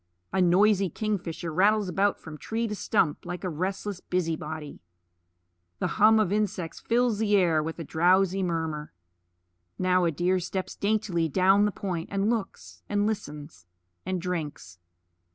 A noisy kingfisher rattles about from tree to stump, like a restless busy body. The hum of insects fills the air with a drowsy murmur. Now a deer steps daintily down the point, and looks, and listens, and drinks.